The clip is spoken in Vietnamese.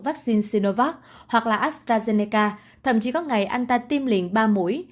vắc xin sinovac hoặc astrazeneca thậm chí có ngày anh ta tiêm liên ba mũi